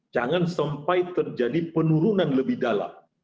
jangan sampai terjadi penurunan lebih dalam